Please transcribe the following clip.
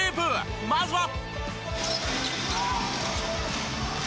まずは。